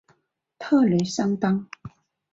特雷桑当。